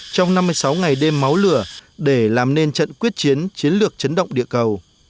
trong năm mươi sáu ngày đêm máu lửa để làm nên trận quyết chiến chiến lược chấn động địa cầu